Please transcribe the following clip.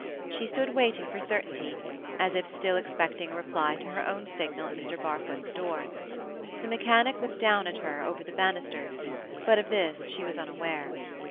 She stood waiting for certainty, as if still expecting a reply to her own signal at Mr. Barfoot's door. The mechanic looked down at her over the banisters, but of this she was unaware.